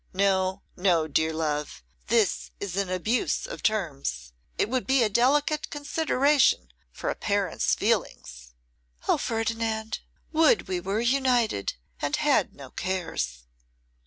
No, no, dear love; this is an abuse of terms. It would be a delicate consideration for a parent's feelings.' 'O Ferdinand! would we were united, and had no cares!